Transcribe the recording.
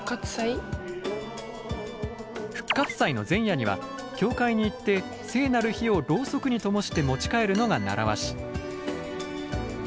復活祭の前夜には教会に行って聖なる火をろうそくにともして持ち帰るのが習わし。